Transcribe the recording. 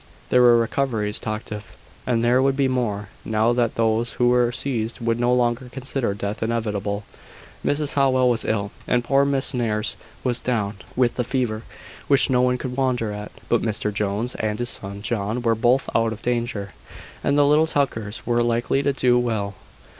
There were recoveries talked of; and there would be more, now that those who were seized would no longer consider death inevitable. Mrs Howell was ill; and poor Miss Nares was down with the fever, which no one could wonder at: but Mr Jones and his son John were both out of danger, and the little Tuckers were likely to do well.